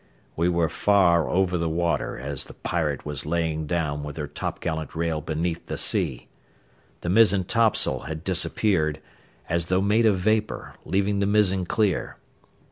We were far over the water as the Pirate was laying down with her topgallant rail beneath the sea. The mizzen topsail had disappeared, as though made of vapor, leaving the mizzen clear.